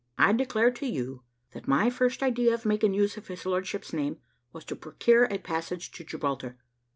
I declare to you, that my first idea of making use of his lordship's name was to procure a passage to Gibraltar.